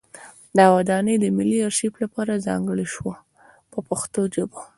دا ودانۍ د ملي ارشیف لپاره ځانګړې شوه په پښتو ژبه.